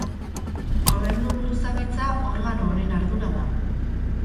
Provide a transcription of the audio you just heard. Gobernu buruzagitza, organo honen ardura da.